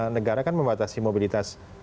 negara kan membatasi mobilitas